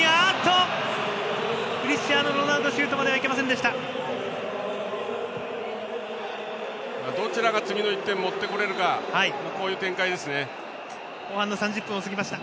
クリスチアーノ・ロナウドシュートまでいけませんでした。